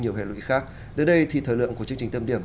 nhiều hệ lụy khác đến đây thì thời lượng của chương trình